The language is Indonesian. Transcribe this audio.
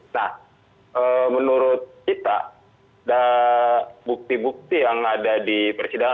nah menurut kita bukti bukti yang ada di persidangan